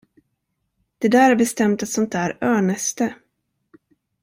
Det där är bestämt ett sådant där örnnäste.